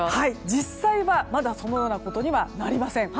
実際は、まだそのようなことにはなりません。